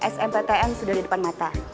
smptn sudah di depan mata